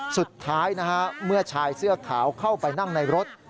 สุดท้ายนะฮะเมื่อชายเสื้อขาวเข้าไปนั่งในรถ